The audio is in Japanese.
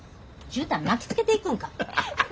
じゅうたん巻きつけていくんか。